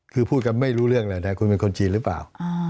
คือพูดกันไม่รู้เรื่องเลยนะคุณเป็นคนจีนหรือเปล่า